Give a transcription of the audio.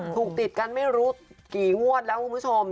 ถูกติดกันไม่รู้กี่งวดแล้วคุณผู้ชม